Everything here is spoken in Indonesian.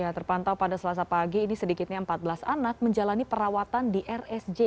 terpantau pada selasa pagi ini sedikitnya empat belas anak menjalani perawatan di rsj